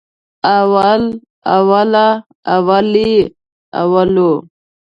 اول، اوله، اولې، اولو